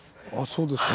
そうですか。